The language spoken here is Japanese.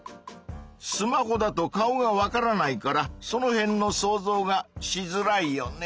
スマホだと顔がわからないからそのへんの想像がしづらいよね。